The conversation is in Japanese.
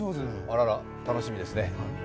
楽しみですね。